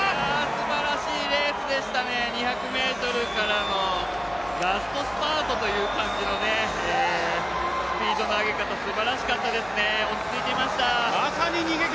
すばらしいレースでしたね、２００ｍからのラストスパートという感じのスピードの上げ方、すばらしかったですね、落ち着いていました。